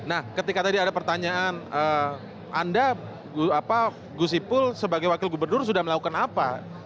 nah ketika tadi ada pertanyaan anda gus ipul sebagai wakil gubernur sudah melakukan apa